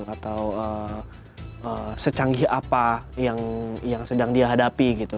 atau secanggih apa yang sedang dihadapi gitu